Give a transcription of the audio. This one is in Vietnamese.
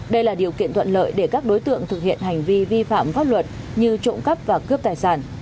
đây là điều kiện thuận lợi để các đối tượng thực hiện hành vi vi phạm pháp luật như trộm cắp và cướp tài sản